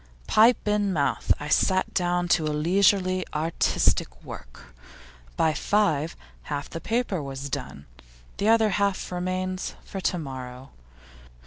Pipe in mouth, I sat down to leisurely artistic work; by five, half the paper was done; the other half remains for to morrow.